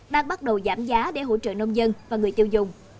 đang bắt đầu giảm giá để hỗ trợ nông dân và người tiêu dùng